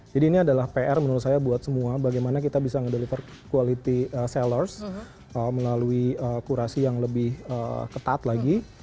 jadi ini adalah pr menurut saya buat semua bagaimana kita bisa ngedeliver quality sellers melalui kurasi yang lebih ketat lagi